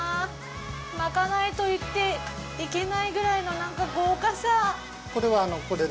まかないと言っていけないくらいの豪華さ。